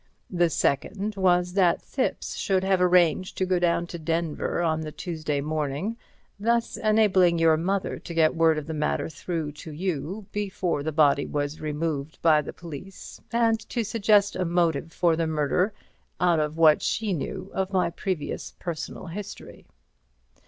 The second was that Thipps should have arranged to go down to Denver on the Tuesday morning, thus enabling your mother to get word of the matter through to you before the body was removed by the police and to suggest a motive for the murder out of what she knew of my previous personal history.